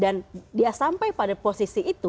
dan dia sampai pada posisi itu